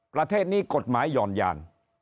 ประเทศนี้กฎหมายหย่อนยาน